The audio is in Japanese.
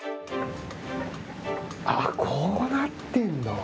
あ、こうなってんの。